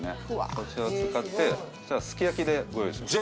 こちらを使ってすき焼きでご用意します